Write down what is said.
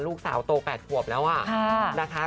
ลูกสาวโต๘ขวบแล้วนะคะ